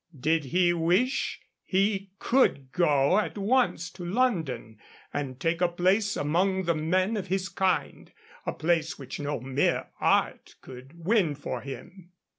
Did he wish, he could go at once to London and take a place among the men of his kind, a place which no mere art could win for him.